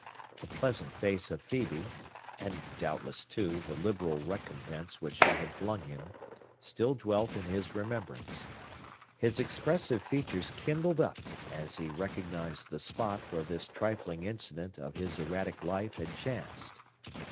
The pleasant face of Phœbe—and doubtless, too, the liberal recompense which she had flung him—still dwelt in his remembrance. His expressive features kindled up, as he recognized the spot where this trifling incident of his erratic life had chanced.